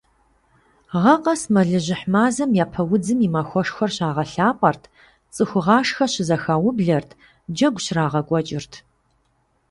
Гъэ къэс, мэлыжьыхь мазэм Япэ удзым и махуэшхуэр щагъэлъапӀэрт, цӀыхугъашхэ щызэхаублэрт, джэгу щрагъэкӀуэкӀырт.